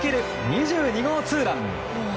２２号ツーラン！